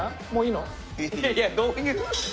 いやいやどういう？